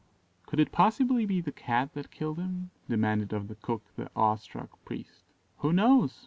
"Could it possibly be the Cat that killed him?" demanded of the cook the awe struck priest. "Who knows?"